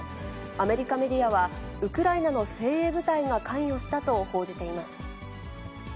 アメリカメディアは、ウクライナの精鋭部隊が関与したと報じています。